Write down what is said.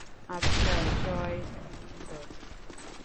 আচ্ছা, জয় হিন্দ।